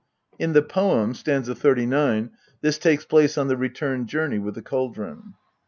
In the poem, st. 39, this takes place on the return journey with the cauldron.